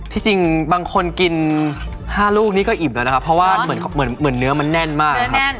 จริงบางคนกิน๕ลูกนี่ก็อิ่มแล้วนะครับเพราะว่าเหมือนเนื้อมันแน่นมากครับ